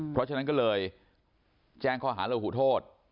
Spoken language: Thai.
เพราะฉะนั้นก็เลยแจ้งข้อหาระหูโทษ